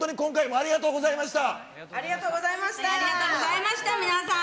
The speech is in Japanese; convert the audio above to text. ありがとうございました、皆さん。